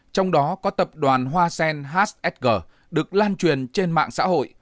trong đó có tập đoàn hoa sen hxg được lan truyền trên mạng xã hội